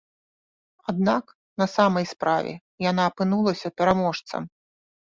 Аднак на самай справе яна апынулася пераможцам.